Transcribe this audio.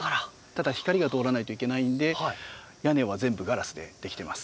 ただ光が通らないといけないんで屋根は全部ガラスで出来てます。